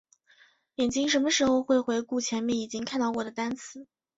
眼睛什么时候会回顾前面已经看到过的单词？